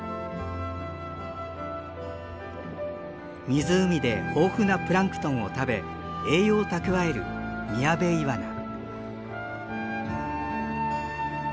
湖で豊富なプランクトンを食べ栄養を蓄えるミヤベイワナ。